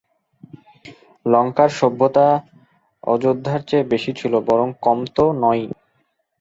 লঙ্কার সভ্যতা অযোধ্যার চেয়ে বেশী ছিল বরং, কম তো নয়ই।